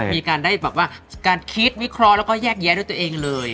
มีการได้แบบว่าการคิดวิเคราะห์แล้วก็แยกแยะด้วยตัวเองเลย